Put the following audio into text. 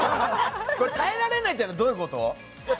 耐えられないというのはどういうこと？